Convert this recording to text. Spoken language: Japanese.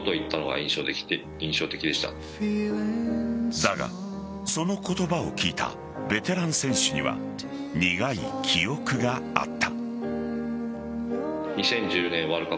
だが、その言葉を聞いたベテラン選手には苦い記憶があった。